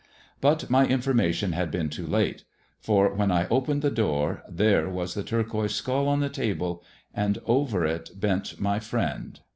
But information had come too late, for when I opened the d there was the turquoise skull on the table, and over it b my friend.